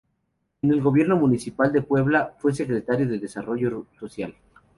En el Gobierno Municipal de Puebla, fue Secretario de Desarrollo Social.